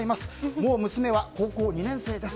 もう娘は高校２年生です。